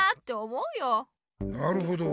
なるほど。